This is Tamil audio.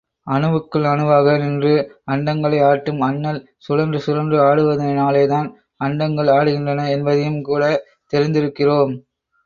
அணுவுக்குள் அணுவாக நின்று அண்டங்களை ஆட்டும் அண்ணல், சுழன்று சுழன்று ஆடுவதினாலேதான் அண்டங்கள் ஆடுகின்றன என்பதையும் கூடத் தெரிந்திருக்கிறோம்.